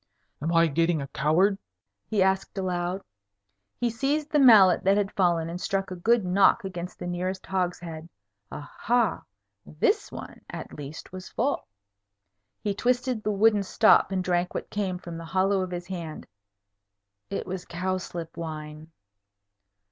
"Am I getting a coward?" he asked aloud. He seized the mallet that had fallen, and struck a good knock against the nearest hogshead. Ah ha! This one, at least, was full. He twisted the wooden stop and drank what came, from the hollow of his hand. It was cowslip wine.